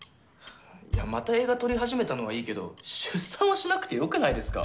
いやまた映画撮りはじめたのはいいけど出産はしなくてよくないですか？